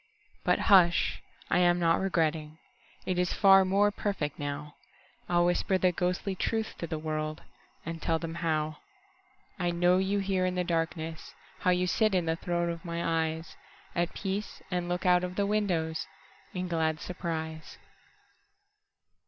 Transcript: But hush, I am not regretting:It is far more perfect now. I'll whisper the ghostly truth to the worldAnd tell them howI know you here in the darkness, How you sit in the throne of my eyesAt peace, and look out of the windowsIn glad surprise.